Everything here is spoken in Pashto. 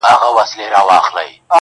او رسنۍ پرې خبري کوي،